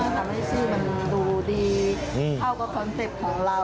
ทำให้ชื่อมันดูดีเข้ากับคอนเซ็ปต์ของเรา